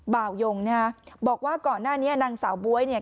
บ่าวยงนะฮะบอกว่าก่อนหน้านี้นางสาวบ๊วยเนี่ย